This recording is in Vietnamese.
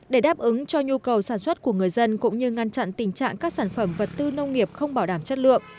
để đáp ứng cho nhu cầu sản xuất của người dân cũng như ngăn chặn tình trạng các sản phẩm vật tư nông nghiệp không bảo đảm chất lượng